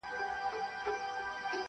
چي جانان وي قاسم یاره او صهبا وي,